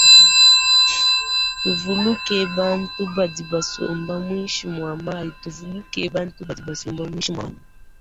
Tuvuluke bantu badi basomba mwinshi mwa mayi.